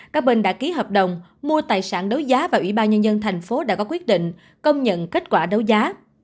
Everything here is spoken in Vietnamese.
các bên đã ký hợp đồng mua tài sản đấu giá và ủy ban nhân dân thành phố đã có quyết định công nhận kết quả đấu giá